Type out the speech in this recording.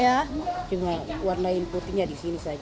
iya cuma warnain putihnya di sini